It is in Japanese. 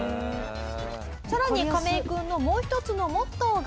更にカメイ君のもう１つのモットーが。